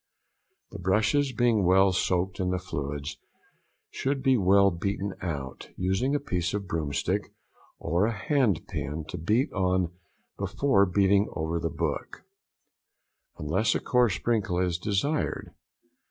The brushes being well soaked in the fluids, should be well beaten out, using a piece of broomstick or a hand pin to beat on before beating over the book, unless a coarse sprinkle is desired.